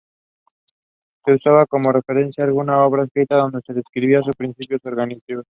Se usaba como referencia alguna obra escrito donde se describía su principios organizativos.